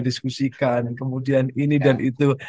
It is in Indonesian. diskusikan kemudian ini dan itu